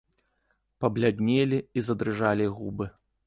Пабляднелі і задрыжалі губы.